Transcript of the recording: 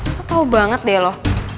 saya tau banget deh lo